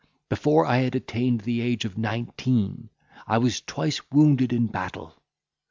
Before I had attained the age of nineteen, I was twice wounded in battle.